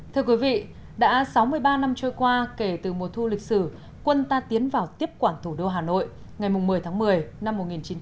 thưa quý vị đã sáu mươi ba năm trôi qua kể từ mùa thu lịch sử quân ta tiến vào tiếp quản thủ đô hà nội ngày một mươi tháng một mươi năm một nghìn chín trăm bảy mươi